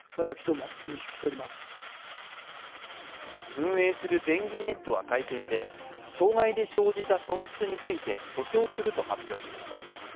運営する全銀ネットは会見で障害で生じた損失について補償すると発表しました。